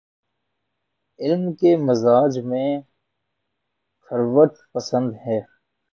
علم کے مزاج میں خلوت پسندی ہے۔